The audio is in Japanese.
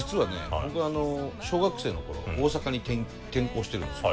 僕小学生の頃大阪に転校してるんですよ。